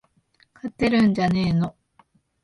勝てるんじゃねーの